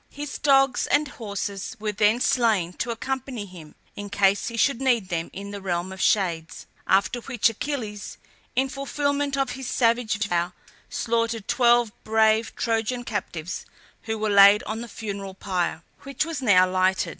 His dogs and horses were then slain to accompany him, in case he should need them in the realm of shades; after which Achilles, in fulfilment of his savage vow, slaughtered twelve brave Trojan captives, who were laid on the funeral pyre, which was now lighted.